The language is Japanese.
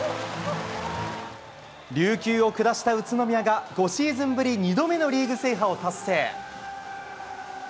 琉球を下した宇都宮が、５シーズンぶり２度目のリーグ制覇を達成。